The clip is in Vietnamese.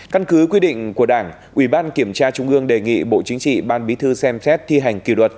căn cứ quy định của đảng ủy ban kiểm tra trung ương đề nghị bộ chính trị ban bí thư xem xét thi hành kỷ luật